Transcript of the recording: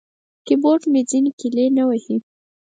کیبورډ مې ځینې کیلي نه وهي.